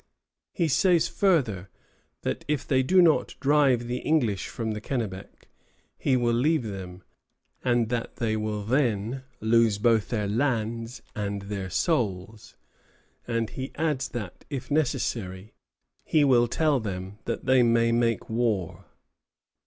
He says further that if they do not drive the English from the Kennebec, he will leave them, and that they will then lose both their lands and their souls; and he adds that, if necessary, he will tell them that they may make war.